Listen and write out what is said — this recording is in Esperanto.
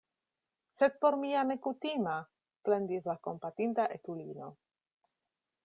"Sed por mi ja ne kutima," plendis la kompatinda etulino.